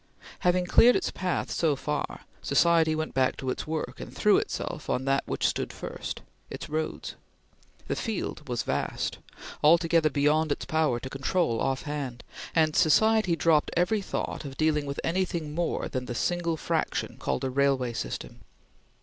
Having cleared its path so far, society went back to its work, and threw itself on that which stood first its roads. The field was vast; altogether beyond its power to control offhand; and society dropped every thought of dealing with anything more than the single fraction called a railway system.